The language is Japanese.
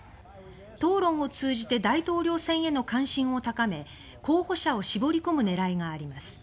討論を通じて大統領選への関心を高め候補者を絞り込む狙いがあります。